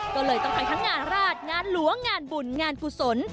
ก็เลยต้องไปทั้งงานราชงานหลวงงานบุญงานกุศล